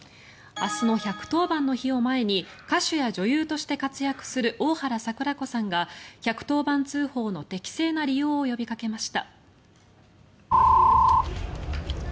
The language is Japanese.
明日の１１０番の日を前に歌手や女優として活躍する大原櫻子さんが１１０番通報の適正な利用を呼びかけました。